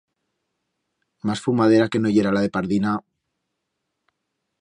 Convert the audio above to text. Más fumadera que no yera la de Pardina.